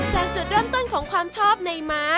จากจุดเริ่มต้นของความชอบในม้า